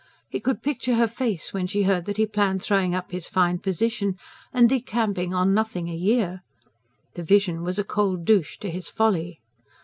He could picture her face, when she heard that he planned throwing up his fine position and decamping on nothing a year. The vision was a cold douche to his folly.